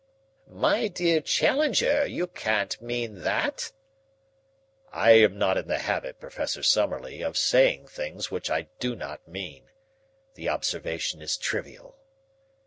"My dear Challenger, you can't mean that?" "I am not in the habit, Professor Summerlee, of saying things which I do not mean. The observation is trivial."